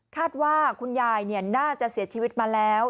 คาดว่าคุณยายน่าจะเสียชีวิตมาแล้ว